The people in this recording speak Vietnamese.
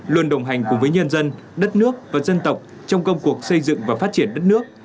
luôn đồng hành cùng với nhân dân đất nước và dân tộc trong công cuộc xây dựng và phát triển đất nước